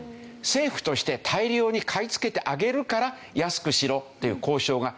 政府として大量に買いつけてあげるから安くしろっていう交渉ができるわけですね。